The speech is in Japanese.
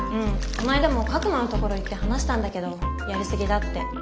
この間も格馬のところ行って話したんだけどやり過ぎだって。